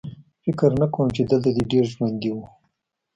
فکر نه کوم چې دلته دې ډېر ژوندي وو